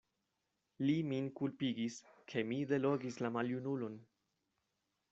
Li min kulpigis, ke mi delogis la maljunulon.